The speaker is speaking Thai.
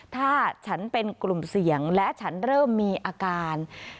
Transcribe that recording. ถ้าฉันเป็นกลุ่มเสี่ยงและฉันเริ่มมีอาการ